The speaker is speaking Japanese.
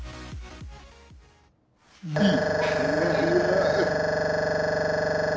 うん。